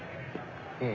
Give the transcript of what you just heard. うん。